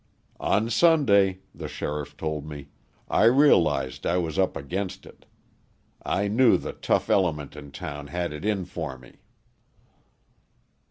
"On Sunday," the sheriff told me, "I realised I was up against it. I knew the tough element in town had it in for me."